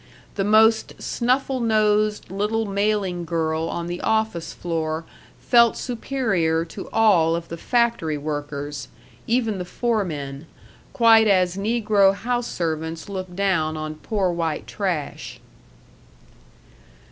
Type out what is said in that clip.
The most snuffle nosed little mailing girl on the office floor felt superior to all of the factory workers, even the foremen, quite as negro house servants look down on poor white trash.